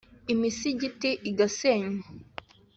imisigiti igasenywa